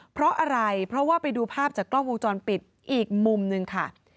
เพราะอะไรเพราะว่าไปดูภาพจากกล้องวงจรปิดอีกมุมหนึ่งค่ะ